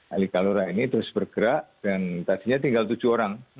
ali kalora ini terus bergerak dan tadinya tinggal tujuh orang